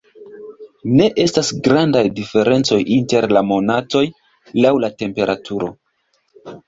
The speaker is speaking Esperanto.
Ne estas grandaj diferencoj inter la monatoj laŭ la temperaturo.